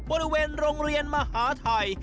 บริเวณโรงเรียนมหาทัย